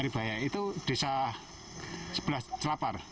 dibaya itu desa sebelah celapar